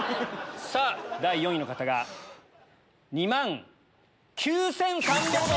さぁ第４位の方が２万９３００円。